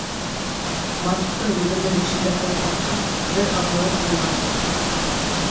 Марттың егерме бишендә һыу ҡатһа, бер аҙналыҡ юлға сыҡ.